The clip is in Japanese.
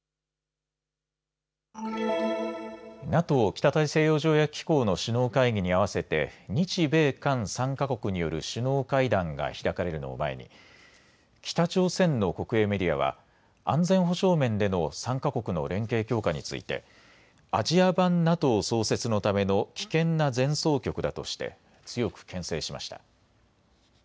ＮＡＴＯ・北大西洋条約機構の首脳会議に合わせて日米韓３か国による首脳会談が開かれるのを前に北朝鮮の国営メディアは安全保障面での３か国の連携強化についてアジア版ＮＡＴＯ創設のための危険な前奏曲だとして強くけん制しました。